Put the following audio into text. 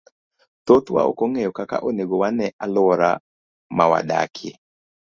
Thothwa ok ong'eyo kaka onego wane alwora ma wadakie.